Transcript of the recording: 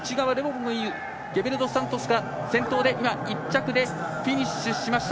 ゲベルドスサントスが先頭で１着でフィニッシュしました。